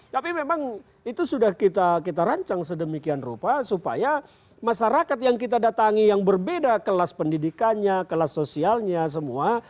tapi memang itu sudah kita rancang sedemikian rupa supaya masyarakat yang kita datangi yang berbeda kelas pendidikannya kelas sosialnya semua